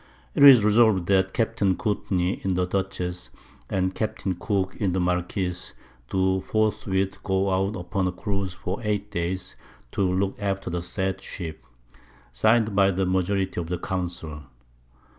It is resolved that Capt. Courtney in the Dutchess, and Capt. Cooke in the Marquiss, do forthwith go out upon a Cruise for 8 Days, to look after the said Ship. Signed by the Majority of the Council.